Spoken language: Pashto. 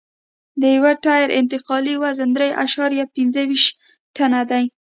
د یو ټیر انتقالي وزن درې اعشاریه پنځه ویشت ټنه دی